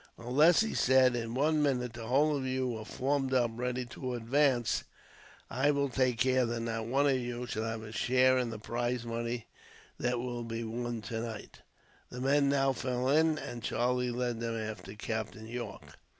"Unless," he said, "in one minute the whole of you are formed up ready to advance, I will take care that not one shall have a share in the prize money that will be won tonight." The men now fell in, and Charlie led them after Captain Yorke.